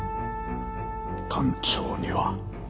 艦長には。